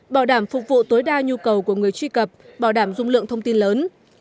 bảo đảm phục vụ tối đa nhu cầu của người truy cập bảo đảm dung lượng thông tin lớn